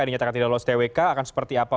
dinyatakan tidak lolos twk akan seperti apa